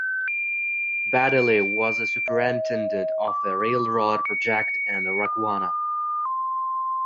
Baddeley was a superintendent of a railroad project in Rakwana.